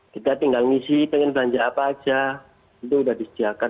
kita tinggal ngisi pengen belanja apa aja itu sudah disediakan